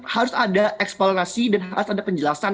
harus ada eksplorasi dan harus ada penjelasan